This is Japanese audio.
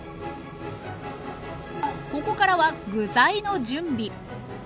ここからは具材の準備。